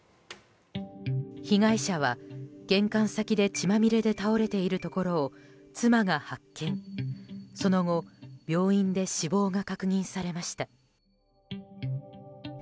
被害者は、玄関先で血まみれで倒れているところを妻が発見、その後病院で死亡が確認されました。